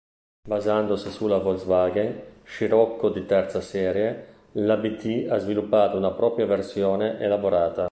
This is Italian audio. Basandosi sulla Volkswagen Scirocco di terza serie, l'Abt ha sviluppato una propria versione elaborata.